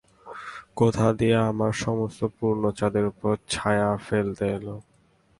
কোথা দিয়ে আমার সমস্ত পূর্ণচাঁদের উপর ছায়া ফেলতে এল?